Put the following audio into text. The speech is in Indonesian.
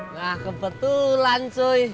nah kebetulan sui